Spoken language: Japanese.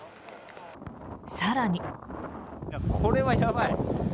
更に。